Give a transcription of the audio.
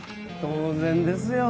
当然ですよ